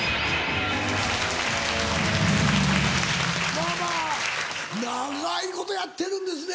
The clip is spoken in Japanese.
まぁまぁ長いことやってるんですね！